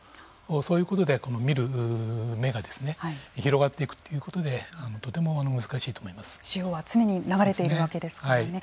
そういうことで見る目が広がっていくということで潮は常に流れているわけですね。